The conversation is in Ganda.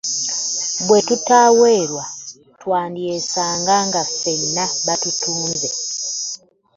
Bwe tutaweerwa twandyesanga nga ffenna batutunze.